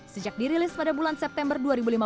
sejak dirilis pada bulan september dua ribu lima belas